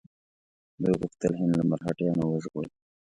دوی غوښتل هند له مرهټیانو وژغوري.